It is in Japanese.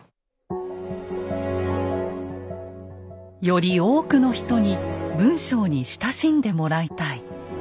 より多くの人に文章に親しんでもらいたい。